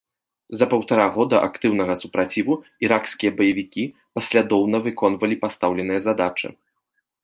За паўтара года актыўнага супраціву іракскія баевікі паслядоўна выконвалі пастаўленыя задачы.